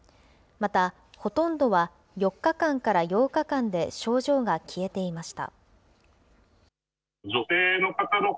また、ほとんどは４日間から８日間で症状が消えていました。